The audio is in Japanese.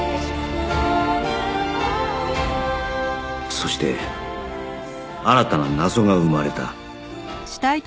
そして新たな謎が生まれた